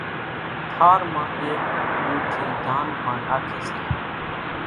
ٿار مان ايڪ موٺي ڌان پڻ ناکي سي